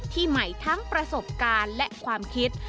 ใหม่ทั้งประสบการณ์และความคิด